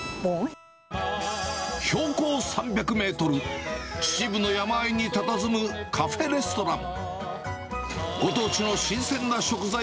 標高３００メートル、秩父の山あいにたたずむカフェレストラン。